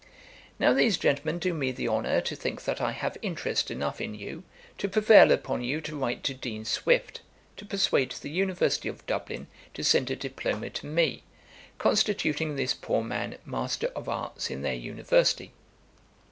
'Now these gentlemen do me the honour to think that I have interest enough in you, to prevail upon you to write to Dean Swift, to persuade the University of Dublin to send a diploma to me, constituting this poor man Master of Arts in their University.